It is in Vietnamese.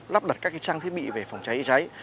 lắp đặt các trang thiết bị về phòng trái trái